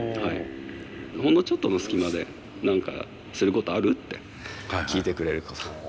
ほんのちょっとの隙間で「何かすることある？」って聞いてくれること。